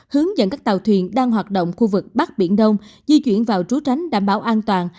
hướng dẫn các tàu thuyền đang hoạt động khu vực bắc biển đông di chuyển vào trú tránh đảm bảo an toàn